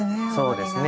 そうですね。